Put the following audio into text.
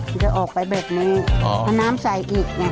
มันจะออกไปแบบนี้เอาน้ำใสอีกเนี่ย